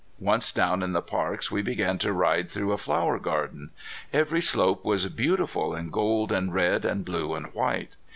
Once down in the parks we began to ride through a flower garden. Every slope was beautiful in gold, and red, and blue and white.